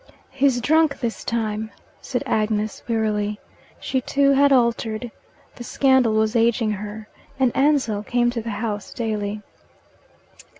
"He's drunk this time," said Agnes wearily. She too had altered: the scandal was ageing her, and Ansell came to the house daily.